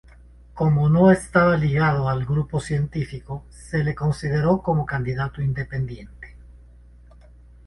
Como no estaba ligado al grupo científico se le consideró como candidato independiente.